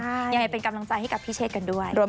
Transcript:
ยังไงเป็นกำลังใจให้กับพี่เชษกันด้วย